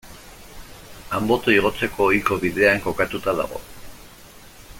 Anboto igotzeko ohiko bidean kokatuta dago.